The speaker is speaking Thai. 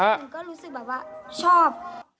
หนูก็รู้สึกแบบว่าชอบ